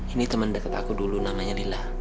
ini temen deket aku dulu namanya lila